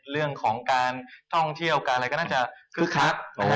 เรื่องของการท่องเที่ยวการอะไรก็น่าจะคึกคัก